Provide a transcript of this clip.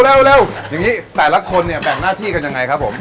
เร็วอย่างนี้แต่ละคนเนี่ยแบ่งหน้าที่กันยังไงครับผม